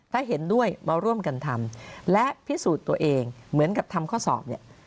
ถ้าเห็นด้วยมาร่วมกันทำและพิสูจน์ตัวเองเหมือนกับทำข้อสอบเนี่ย